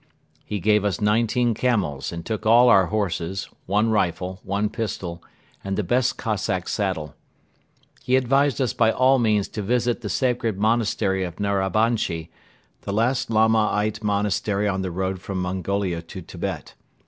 He gave us nineteen camels and took all our horses, one rifle, one pistol and the best Cossack saddle. He advised us by all means to visit the sacred Monastery of Narabanchi, the last Lamaite monastery on the road from Mongolia to Tibet.